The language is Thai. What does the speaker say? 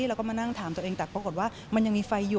เราก็มานั่งถามตัวเองแต่ปรากฏว่ามันยังมีไฟอยู่